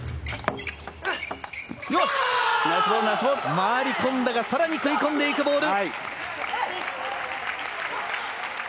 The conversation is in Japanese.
回り込んだが更に食い込んでいくボール。